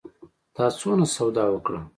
تا څونه سودا وکړه؟